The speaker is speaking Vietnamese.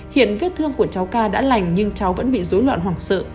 hiện viết thương của cháu k đã lành nhưng cháu vẫn bị dối loạn hoảng sợ